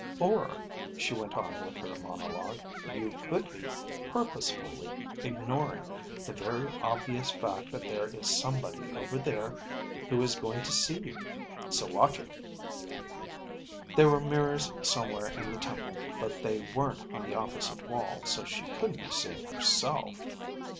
"Or," she went on with her monologue, "you could be purposefully ignoring the very obvious fact that there is somebody over there who is going to see you. So watch it." There were mirrors somewhere in the temple, but they weren't on the opposite wall, so she couldn't be seeing herself.